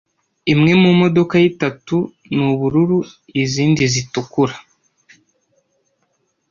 Imwe mumodoka ye itatu ni ubururu izindi zitukura.